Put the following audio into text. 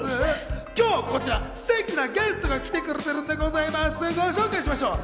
今日こちら、すてきなゲストが来てくれているんでございます、ご紹介しましょう！